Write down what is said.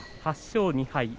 ８勝２敗。